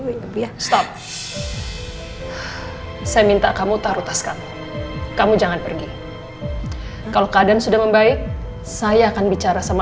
hai saya minta kamu taruh tas kamu kamu jangan pergi kalau keadaan sudah membaik saya akan bicara sama